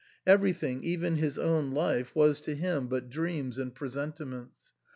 Everything, even his own life, was to him but dreams and presentiments.